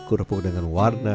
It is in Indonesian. kerupuk dengan warna